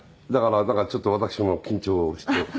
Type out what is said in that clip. だからちょっと私も緊張していて。